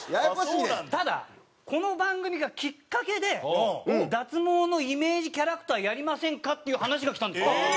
ただこの番組がきっかけで脱毛のイメージキャラクターやりませんか？っていう話がきたんですよ。